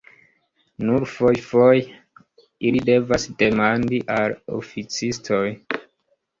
Nur fojfoje ili devas demandi al oficistoj.